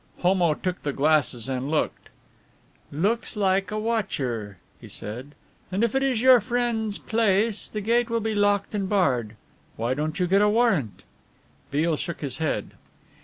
Homo took the glasses and looked. "Looks like a watcher," he said, "and if it is your friend's place the gate will be locked and barred. Why don't you get a warrant?" Beale shook his head.